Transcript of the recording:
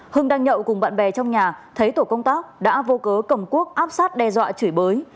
hưng đang nhậu cùng bạn bè trong nhà thấy tổ công tác đã vô cớ cầm cuốc áp sát đe dọa chửi bới